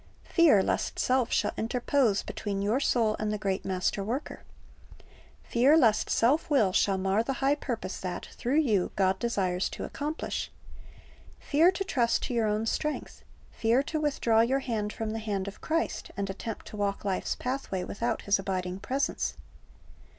Fear lest self shall interpose between your soul and the great Master worker. Fear lest self will shall mar the high purpose that, through you, God desires to accomplish. Fear to trust to your own strength, fear to withdraw your hand from the hand of Christ, and attempt to walk life's pathway without His abiding presence.